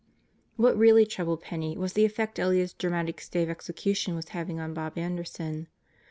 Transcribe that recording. What really troubled Penney was the effect Elliott's dramatic stay of execution was having on Bob Anderson.